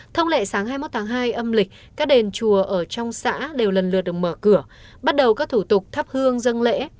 thông lệ sáng hai mươi một tháng hai âm lịch các đền chùa ở trong xã đều lần lượt được mở cửa bắt đầu các thủ tục thắp hương dân lễ